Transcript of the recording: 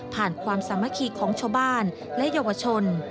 ความสามัคคีของชาวบ้านและเยาวชน